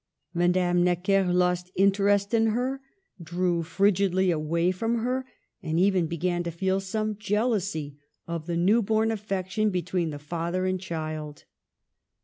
Madame Necker lost interest in her, drew frigidly away from her, and even began to feel some jealousy of the new born affection between the father and child.